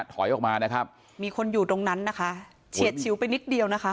ถอยออกมานะครับมีคนอยู่ตรงนั้นนะคะเฉียดชิวไปนิดเดียวนะคะ